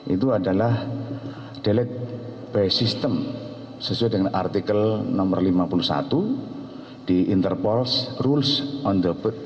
itu adalah delete by system sesuai dengan artikel nomor lima puluh satu di interpol rules on the bit